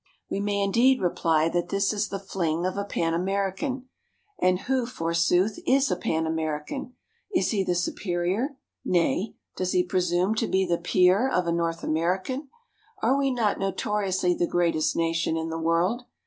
We may indeed reply that this is the fling of a Pan American. And who, forsooth, is a Pan American? Is he the superior nay, does he presume to be the peer of a North American? Are we not notoriously the greatest nation in the world?